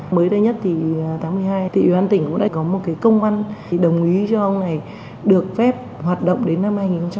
mới đây nhất thì tháng một mươi hai thì ủy ban tỉnh cũng đã có một cái công văn đồng ý cho ông này được phép hoạt động đến năm hai nghìn hai mươi